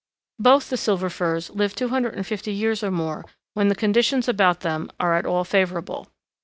Both the Silver Firs live 250 years or more when the conditions about them are at all favorable.